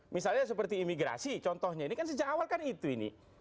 misalnya seperti imigrasi contohnya ini kan sejak awal kan itu ini